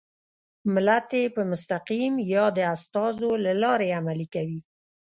ملت یې په مستقیم یا د استازو له لارې عملي کوي.